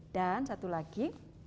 dan satu lagi